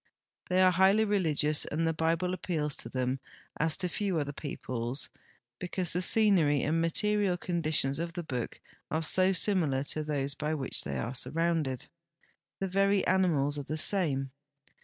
They are highh' religious, and the Bible appeals to them as to few other peoples, because the scenery and material conditions of the Book are so similar to those by which they are surrounded. The veiy animals are the same.